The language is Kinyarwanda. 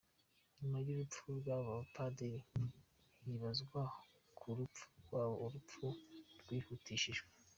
Nyuma y’urupfu rw’aba bapadiri, hibazwa ku rupfu rwabo, urupfu rwihutishijwe.